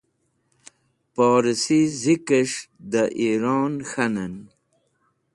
porsi zik'es̃h da Iron k̃hanen